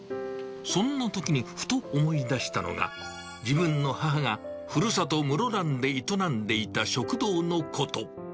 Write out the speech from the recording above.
そんなときにふと思い出したのが、自分の母がふるさと、室蘭で営んでいた食堂のこと。